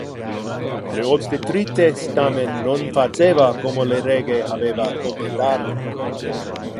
Le obstetrices, tamen non faceva como le rege habeva commandate.